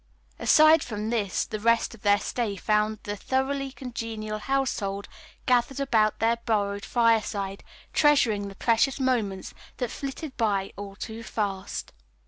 Aside from this, the rest of their stay found the thoroughly congenial household gathered about their borrowed fireside, treasuring the precious moments that flitted by all too fast.